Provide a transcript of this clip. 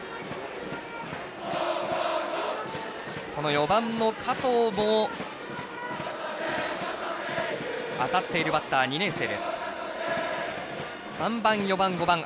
４番の加藤も当たっているバッター、２年生。